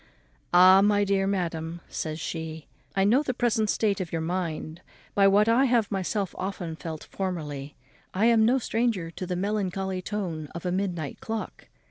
"Ah, my dear madam," says she, "I know the present state of your mind, by what I have myself often felt formerly. I am no stranger to the melancholy tone of a midnight clock.